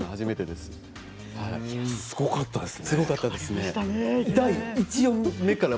すごかったですね。